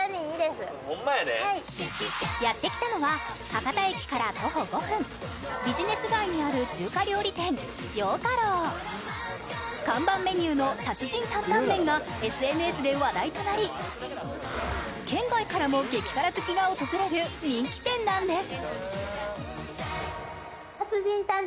やって来たのは博多駅から徒歩５分ビジネス街にある中華料理店陽華楼看板メニューの殺人担々麺がＳＮＳで話題となり県外からも激辛好きが訪れる人気店なんです